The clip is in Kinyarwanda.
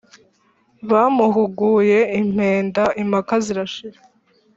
bamuhunguye impenda impaka zirashira,